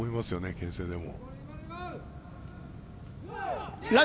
けん制でも。